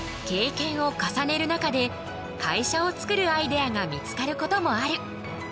経験を重ねる中で会社を作るアイデアが見つかることもある。